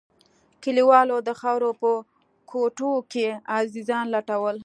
كليوالو د خاورو په کوټو کښې عزيزان لټول.